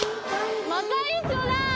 また一緒だ。